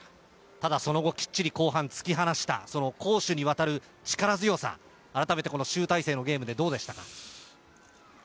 ◆ただ、その後、きっちり後半突き放したその攻守にわたる力強さ、改めて集大成のゲームでどうでしたか。